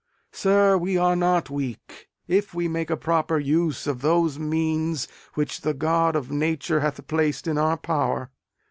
Sir, we are not weak, if we make a proper use of those means which the God of nature hath placed in our power.